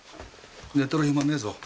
寝とる暇ねぇぞ。